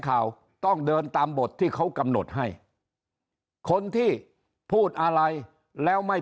ข่าวต้องเดินตามบทที่เขากำหนดให้คนที่พูดอะไรแล้วไม่